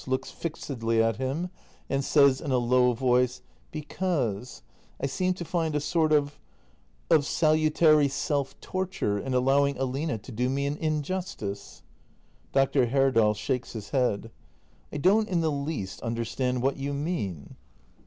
[Looks fixedly at him, and says in a low voice:] Be cause I seem to find a sort of — of salutary self torture in allowing Aline to do me an injustice. Dr. Herdal. [Shakes his head.] I don't in the least understand what you mean.